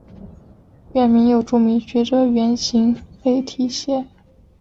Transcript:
院名又著名学者袁行霈题写。